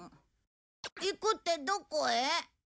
行くってどこへ？